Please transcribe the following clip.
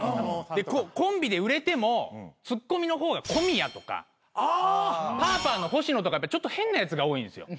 でコンビで売れてもツッコミの方が小宮とかパーパーのほしのとかちょっと変なやつが多いんですよ。